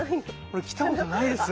俺来たことないです。